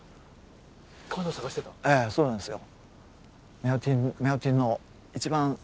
ええそうなんですよ。